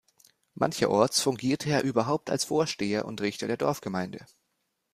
Mancherorts fungierte er überhaupt als Vorsteher und Richter der Dorfgemeinde.